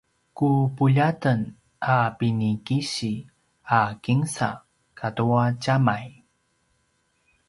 ku puljaten a pinikisi a kinsa katua djamay